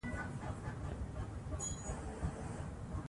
تاسو بايد سمې کلمې وکاروئ.